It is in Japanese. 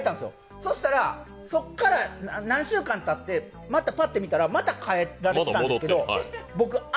そしたら、そこから何週間たって、またパッて見たらまた変えられたんですけど。